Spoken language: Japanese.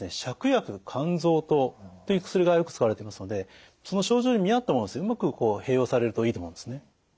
芍薬甘草湯という薬がよく使われていますのでその症状に見合ったものをうまく併用されるといいと思うんですね。